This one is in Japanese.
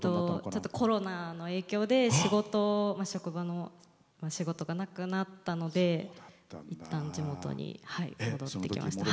ちょっとコロナの影響で職場の仕事がなくなったのでいったん、地元に戻ってきました。